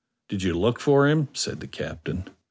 "Did you look for him?" said the captain.